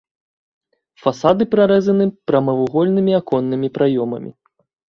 Фасады прарэзаны прамавугольнымі аконнымі праёмамі.